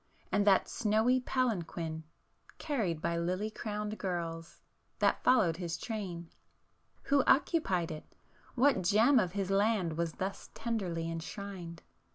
And that snowy palanquin, carried by lily crowned girls, that followed his train,—who occupied it? ... what gem of his land was thus tenderly enshrined?